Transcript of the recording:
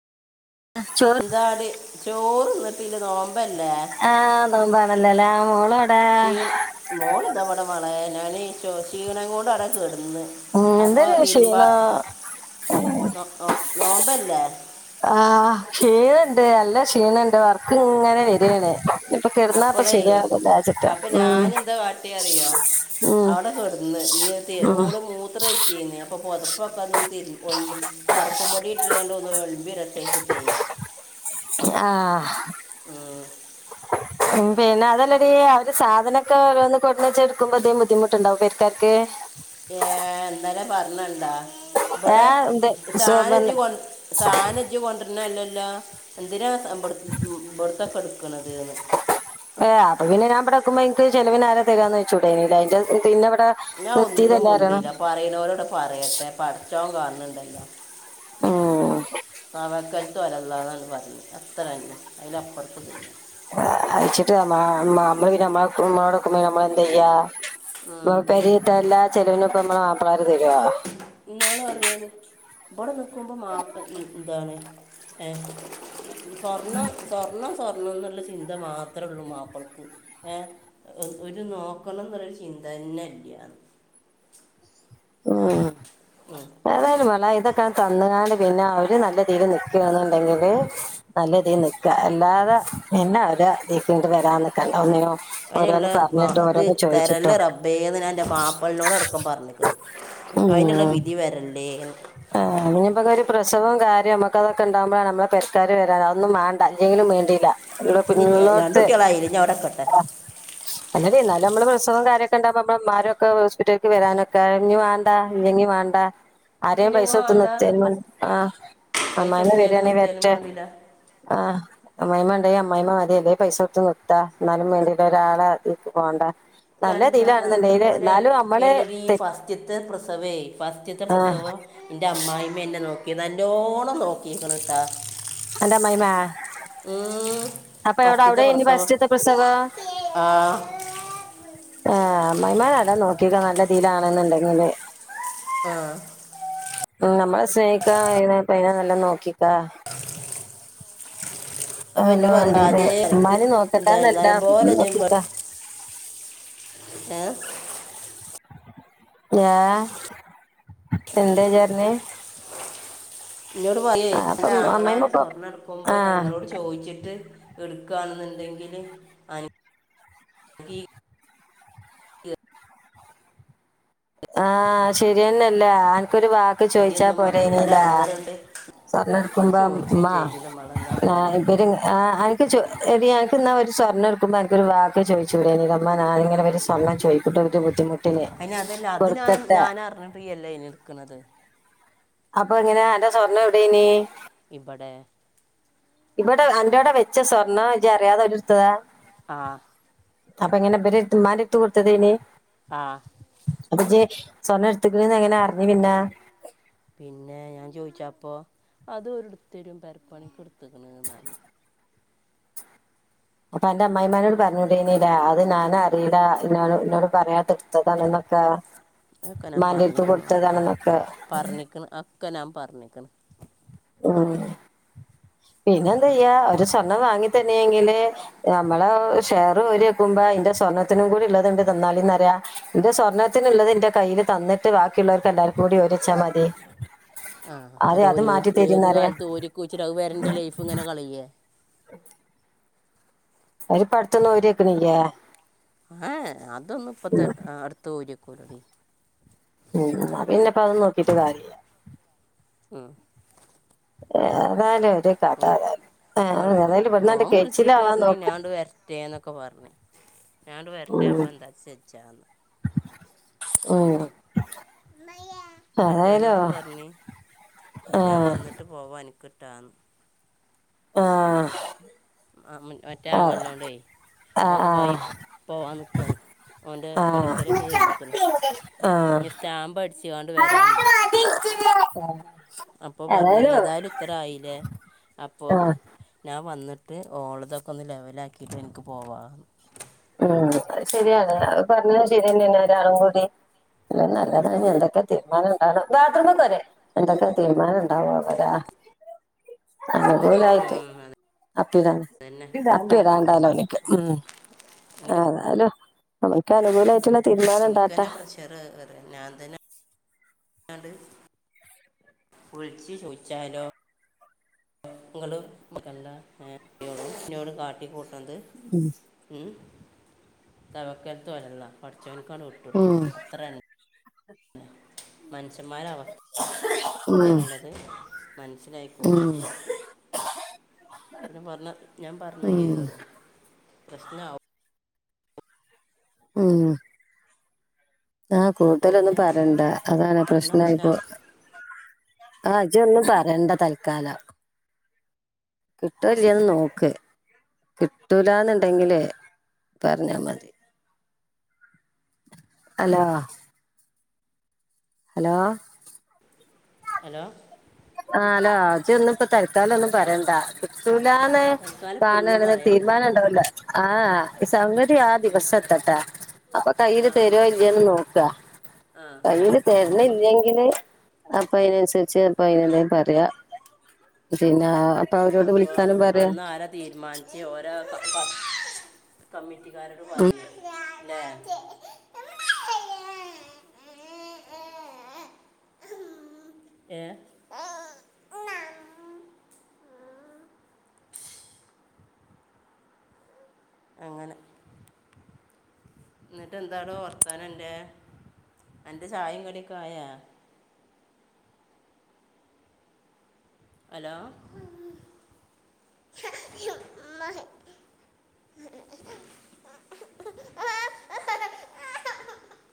ചോറ് എന്താടി ചോറ്ന്നിട്ടല് നോ [unintelligible] ആ നോമ്പാണല്ലോല്ലേ മോളോടാ [unintelligible] മോളെന്തവിടെ വളെ ഞാനെ [unintelligible] ഉം എന്താല ക്ഷീണാ നോ- നോ- നോമ്പല്ലേ ആ [unintelligible] ഉണ്ട് നല്ല ക്ഷീണുണ്ട് വർക്ക് ഇങ്ങനെ വരാണ് ഇപ്പൊ കിടന്നാപ്പ അപ്പോളേ ശരിയാവില്ല [unintelligible] അവിടെക്കെടന്ന് [unintelligible] ഉം. ഓള് മൂത്ര ഒയിച്ചീന്ന്‌ അപ്പൊ പൊതപ്പൊക്കെ ഒന്ന് [unintelligible] പറുപ്പും പൊടി ഇട്ട് രണ്ട്‌ന്ന ഒളുമ്പി ഇറട്ടച്ചിട്ടേ ആഹ ആ ഉം പിന്നെ അതല്ലടി അവര് സാധനൊക്കെ ഓരോന്ന് കൊടുന്ന് വെച്ച എടുക്കുമ്പോ അധികം ബുദ്ധിമുട്ടുണ്ടാവും പെരുക്കാക്ക് ഏ എന്താലെ പറഞ്ഞണ്ടാ ഏ ഇവിടെ ഇത് സോ- സാനജ്ജി കൊ സാനജ്ജി കൊണ്ടിരുന്നല്ല എന്തിനാ [unintelligible] ഏ അപ്പൊ [unintelligible] പിന്നെ ഞാൻ ഇവിടെ ചെലവിന് ആരാ തരുകന്ന് ചോദിച്ചുടെ അതിന്റെ ഇവിടെ ഞാ ഒന്നും നിർത്തിയതല്ലായിരുന്നു മുണ്ടില്ല പറയുന്നവരോടെ പറയട്ടെ പഠച്ചോൻ കാണണ്ടല്ലോ ഉം ആ വക്കാലത്ത വലല്ലാ എന്നാണ് പറഞ്ഞത് അത്രന്നെ അതില അപ്പുറത്ത ഇല്ല അയിച്ചിട്ട് നമ്മള് പിന്നെ നമ്മമ്മോടൊക്കുമ്പ നമ്മള എന്താ ചെയ്യാ ഇ പിന്നെ പരി ഇതെല്ലാ ചെിലവിനൊപ്പോ നമ്മള മാപ്പള ഇന്നാളു അറിയാന ഇവിടെ നിക്കുമ്പോ മാപ്പ അതാണ് ഏ സ്വർണ്ണ സ്വർണ്ണം സ്വര്‍ണ്ണം എന്നുള്ള ചിന്ത മാത്രേ ഉള്ളൂ മാപ്പിളക്ക് ഏ ഒരു നോക്കണം എന്നുള്ളൊരു ചിന്ത തന്നേടിയാണ് ഉം ഉം. ഏതായാലും മേല ഇതൊക്കെ കന്നുകാലി പിന്നെ അവര് നല്ല രീതി നിക്കണ ഇതുണ്ടെങ്കില് നല്ല രീതി നിക്കുക അല്ലാതെ നിന്ന ദ വീട്ടിലോട്ട് വരാന്‍ നിക്കണ്ടക്ക ഒന്നി അതിനുള്ള മ ഇത് തരല്ലെ റബ്ബേന്ന് ഞാ എന്റെ മാപ്പളേനോട് അടക്കം പറഞ്ഞു അയിനുള്ള വിധി വരല്ലേ അഞ്ഞപ്പെ ഒരു പ്രസവവും കാര്യവും നമുക്ക് അതൊണ്ടാകുമ്പോഴാണ് നമ്മള് പെരക്കാര് വരാ അതന്നും വേണ്ട ഇല്ലെങ്കിലും വേണ്ടീല്ല. ഇവിടെ ഇനി രണ്ടു പിന്നള്ളോത്ത കുട്ടികളായില്ല ഞാൻ അവിടെ കട്ടെ അല്ലഡീ നമ്മള് പ്രസവം കാര്യക്കെ ഉണ്ടാവുമ്പ നമ്മ ആരുംക്കെ ഹോസ്പിറ്റല്ക്ക് വരാനൊക്കെ ഇഞ് വേണ്ട ഇല്ലങ്ങി വേണ്ട. ആരെയും ഇല്ല പൈസ കൊത്ത എന്താ നിർത്തിയ ആ പൈസ അമ്മായിന്ന കൊടുത്തിയാലും ബരിയാണി നിർത്തിയാലും വേണ്ടില്ല ആ അമ്മായിയമ്മ [unintelligible] അമ്മായിയമ്മ മതിയല്ലേ പൈസ കൊത്ത് നിർത്ത എന്നാലും വേണ്ടിട്ട ഒരാളെ പോകേണ്ട നല്ല നല്ല പോലെ നമ്മള് എല്ലടി തെ- ഫസ്റ്റ്ത്ത പ്രസവേ ഫസ്റ്റ്ത്ത ആ പ്രസവം എന്റെ അമ്മായിമ്മ എന്നെ നോക്കി നല്ലോണം നോക്കിയേക്കണ് ട്ടാ എന്റ അമ്മായിയമ്മേ അപ്പ എവടാ അവിടെ ഫസ്റ്റത്തെ ആയിരുന്ന പ്രസവം ഫസ്റ്റ്ത്തെ പ്രസവം ആ [unintelligible] ആ അമ്മായിയമ്മഅന നോക്കിക്ക നല്ല രീയിലാണെന്നുണ്ടെങ്കില് ആ ഉ നമ്മളെ സ്നേഹിക്കാ അറിയണ പയ്യനെ നല്ല നോക്കിക്ക അപ്പം ആലോ എന്നോട് പറയും വണ്ടിതെ ആദ്യം എനിക്ക് ഉമ്മാന് എന്താണ് നോക്കട്ടെന്നല്ല നല്ല പോലെ നോക്കീട്ടാ ഏ ഏ എന്റെ ചേട്ടന് എന്നോട് പറയെ എന്റെ ആങ്ങളമാര് അമ്മായിമ്മപ്പൊ സ്വർണ്ണ എടുക്കുമ്പോ ആഹ് ഞങ്ങളോട് ചോദിച്ചിട്ട് എടുക്കാണെന്നുണ്ടെങ്കില് ആ ശരി തന്നല്ല ആന്‍ക്കൊരു വാ പൊതിയൊന്നും വന്നില്ല നല്ല എടങ്ങേറ്ണ്ട് [unintelligible] എടുക്കുമ്പം ഉമ്മാ പോരെ ആഹ് ഇവര് അഹ് അനക് ചു എടി അനക്ക് എന്നാ ഒരു സ്വർണം എട്ക്കുമ്പോ അനക്കൊരു വാക്ക് ചോയ്ച്ചൂടേനി [unintelligible] [unintelligible] ഞാനിങ്ങന അപ്പം ഇവര് സ്വർണം ചോയ്ക്കുട്ടോ [unintelligible] ബുദ്ധിമുട്ടിന് അതിന് ഞ കൊടുക്കട്ടെ ഞാന് അറിഞ്ഞു ഫ്രീ അല്ലേ അതിനു എട്‌ക്കണത് അപ്പൊ ഇങ്ങനെ അന്റെ സ്വർണ്ണം എവിടെയ്നീ ഇവിടെ ഇവിടെ, അന്റവിടെ വെച്ച സ്വർണ്ണം ഇജ്ജ് അറിയാതെ അവര് എടുത്തതാ. ആഹ് അപ്പ ഇങ്ങനെ ഇവര് ത് ഉമ്മാന്റട്ത്തു കൊടുത്തതായ്ന് ആഹ് [unintelligible] ജജ്ജ് സ്വർണ്ണം എട്‌ത്ത്ക്കണ്ന്ന് എങ്ങനെ അറിഞ്ഞു പിന്ന. പിന്നെ ഞാൻ ചോയിച്ചപ്പൊ, അത് ഓര് എട്‌ത്തരും പെരപ്പണിക്ക് എട്ത്ത്ക്കണ്ന്ന് പറഞ്ഞു. ഇപ്പ അന്റെ അമ്മായിമ്മേനോട് പറഞ്ഞൂടേനി ലേ അത് ഞാനറിയൂല എന്നോട്-എന്നോട് പറയാതെ എടുത്തതാണ്ന്ന് [unintelligible] അത് ഒക്കെ ഞാൻ പറഞ്ഞിക്കണ്. പറഞ്ഞിക്കണ് ഒക്കെ ഞാൻ പറഞ്ഞിക്കണ്. മ്ഹ് പിന്നെന്ത് ചെയ്യാ ഓര് സ്വർണ്ണം വാങ്ങി തന്നെയെങ്കില് നമ്മള ഷെയർ ഓര് വെക്കുമ്പോ അതിന്റെ സ്വാ സ്വർണത്തിനും കൂടി ഉള്ളത് എന്റെ തന്നാല് എന്നാ പറയാ ഇന്റെ സ്വർണത്തിനുള്ളത് ഇന്റെ കയ്യിൽ തന്നിട്ട് ബാക്കിയുള്ളവർക്ക് എല്ലാർ കൂടി ഒരെച്ചാ മതി. ആ അതെ ഒരു അത് ഒരു ഏത് മാറ്റി ഏത് തരീന്നറിയാ കാലത്ത് ഓരി [unintelligible] അത് വരെന്റെ ലൈഫ് ഇങ്ങനെ കളയേ ഓര് ഇപ്പ അടുത്തൊന്നും ഊരി വെക്കണില്ല. ആഹ് അതൊന്നും ഇപ്പത്തെ അടുത്ത് ഊരി വെക്കൂലടി. ഉം എന്നാ പിന്നെപ്പം അതും നോക്കിയിട്ട് കാര്യല്ല. ഏതാലും. ഉം, ഗൾഫി ഇവിടുന്നാണ്ട് ഓൻ വിളിച്ചിട്ട് കെയ്ച്ചിലാവാൻ പറഞ്ഞു ഞാൻ നോക്ക് അങ്ങട് വരട്ടെ എന്നൊക്കെ പറഞ്ഞു. ഞാനട്‌ വരട്ടെ ഉം അപ്പൊ എന്താ [unintelligible] ചെജ്ജാന്ന് ഉം ഏതായാലും മറ്റവനോടും പറഞ്ഞി ഞാൻ ആഹ് വന്നിട്ട് പോവാ അനക്- ട്ടാന്ന് ആഹ് ആ മ് മറ്റേ ആഹ് ആങ്ങളനോടെ ഓൻ ദുബായ് ആഹ് പോവാൻ നിക്കാണ് ഓൻ്റെ മെഡിക്കലൊക്കെ ആഹ് കഴിഞ്ഞിക്ക്ണ് ആഹ് ഇനി സ്റ്റാമ്പ് അടിച്ച്ങ്ങാണ്ട് വരാണ്ട് [unintelligible] അപ്പോ പറഞ്ഞ് ഏതായാലും ഇത്ര ആയില്ലേ അപ്പോ ആഹ് ഞാൻ വന്നി- ട്ട് ഓളതൊക്കെ ഒന്ന് ലെവലാക്കിയിട്ട് എനിക്ക് പോവാ ഉം അത് ശരിയാണ് അത് പറഞ്ഞത് ശരിതന്നെയാണ് ഒരാളും കൂടി- എല്ലാം നല്ലതന്നെ എന്തൊക്കെ തീരുമാനം ഉണ്ടാവ്ണെ ബാത്റൂമ് ക്കേറെ എന്തൊക്കെ തീരുമാനം ഉണ്ടാവ ആവോ ലേ അ [inaudible] അ അതോലായിട്ട് അപ്പിടാന് തന്നെ അപ്പിടാണ്ടോലോ ഓനിക്ക് ഉം എനിക്ക് ഏതായാലും നമുക്ക് അനുകൂലായിട്ടുള്ള- തീരുമാനം എനിക്ക് ഇണ്ടാവട്ടെ തന്നെ പ്രഷർ കേറാ ഞാൻ തന്നെ ണ്ട് വിളിച്ചു ചോദിച്ചാലോ ങ്ങളും എന്താ കുട്ട്യാളും എന്നോട് കാട്ടിക്കൂട്ട- ത് ഉം ഉം. തവക്കൽത്തു അലല്ലാഹ് പട - [unintelligible] ചോന്ക് അട് ഉം വിട്ടോട്ത് അത്ര തന്നെ [unintelligible] മനുഷ്യന്മാരവാം ഇത്യ [unintelligible] എന്നുള്ളത് മനസ്സിലായിക്കോളും ഉം ഉം പിന്നെ പറഞ്ഞു ഞാൻ പറഞ്ഞാ ഉം ഏറും പ്രശ്നാവും ഉം മ് ആഹ കൂട്തലൊന്നും പിന്നെ പറയണ്ട അതാണ് പറഞ്ഞ പ്രശ്നായിപ്പോ പ്രശ്നമാവും ആ അജ ഒന്നും പറയണ്ട തൽക്കാലം കിട്ട്വോല്ല്യേന്ന് നോക്ക് കിട്ടൂലാന്നുണ്ടെങ്കിലേ പറഞ്ഞാ മതി. അലോ ഹലോ ഹലോ ആ ഹലോ ജ് ഒന്നും ഇപ്പ തത്കാലം ഒന്നും പറയണ്ട ല്ലാന്ന് തൽക്കാലം ഇപ്പം കാണം ഒന്നും അങ്ങനെ പറയണ്ടേ തീരുമാനം ഉണ്ടാവില്ല. ആഹ് ഈ സൗകര്യം ആ ദിവസം എത്തട്ടാ അപ്പൊ കയ്യിയില് ആ തരുവോ ഇല്ലേന്ന് നോക്കുക. ആ കയ്യില് തരണില്ലെങ്കില് അപ്പൊ അതിനനുസരിച്ച് അപ്പൊ അയിന് എന്തേലും പറയാ പിന്നാ അപ്പൊ അവരോട് അപ്പോൾ വിളിക്കാനും പറയാ അന്ന് ആരാ തീരുമാനിച്ച് ഓരോ ക- കമ്മിറ്റിക്കാരോട് ഉം പറയും അല്ലേ ഏഹ് അങ്ങനെ എന്നിട്ട് എന്താട ഓർത്താന എൻറെ എന്റെ ചായയും കടിയൊക്കെ ആായാ ഹലോ [unintelligible]